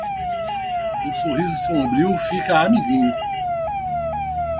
Um sorriso sombrio fica amiguinho.